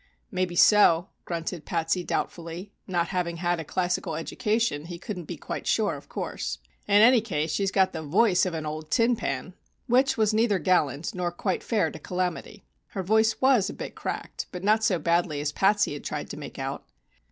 "Maybe so," grunted Patsy doubtfully (not having had a classical education he couldn't be quite sure, of course); "in any case she's got the voice of an old tin pan." Which was neither gallant nor quite fair to "Calamity." Her voice was a bit cracked, but not so badly as Patsy had tried to make out.